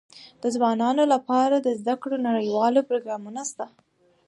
د ځوانانو لپاره د زده کړو نړيوال پروګرامونه سته.